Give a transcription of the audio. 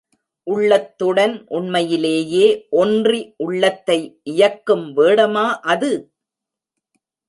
உள்ளத்துடன் உண்மையிலேயே ஒன்றி, உள்ளத்தை இயக்கும் வேடமா அது?